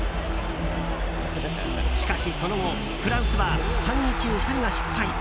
しかしその後、フランスは３人中２人が失敗。